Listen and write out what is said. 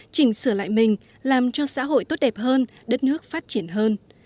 chỉnh sửa lại mình làm cho xã hội tốt đẹp hơn đất nước phát triển hơn